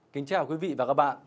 kính chào quý vị và các bạn